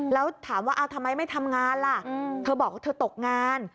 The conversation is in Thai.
แล้วถามว่าทำไมไม่ทำงานล่ะถ้าบอกเธอตกงาน